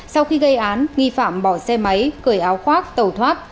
sau khi gây án nghi phạm bỏ xe máy cởi áo khoác tàu thoát